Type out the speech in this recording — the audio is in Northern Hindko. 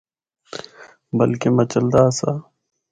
بلکہ مَچلدا آسا۔